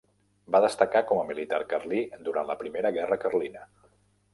Va destacar com a militar carlí durant la Primera Guerra Carlina.